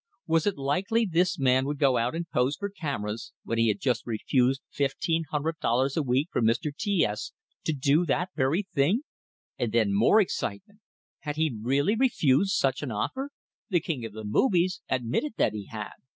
Was it likely this man would go out and pose for cameras, when he had just refused fifteen hundred dollars a week from Mr. T S to do that very thing? And then more excitement! Had he really refused such an offer? The king of the movies admitted that he had!